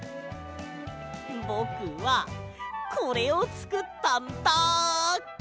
ぼくはこれをつくったんだ！